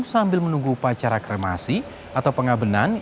sambil menunggu upacara kremasi atau pengabenan